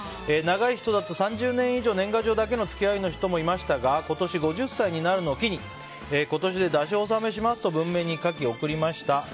長い人だと３０年以上、年賀状だけの付き合いの人もいましたが今年、５０歳になるのを機に今年で出し納めしますと文面に書き送りました。